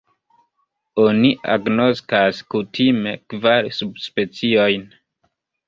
Oni agnoskas kutime kvar subspeciojn.